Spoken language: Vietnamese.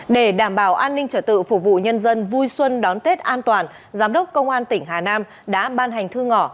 để đảm bảo an ninh trở tự phục vụ nhân dân vui xuân đón tết an toàn giám đốc công an tỉnh hà nam đã ban hành thư ngỏ